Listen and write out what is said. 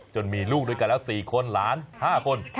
มีลูกด้วยกันแล้ว๔คนหลาน๕คน